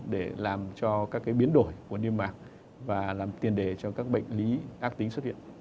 để làm cho các biến đổi của niêm mạc và làm tiền đề cho các bệnh lý ác tính xuất hiện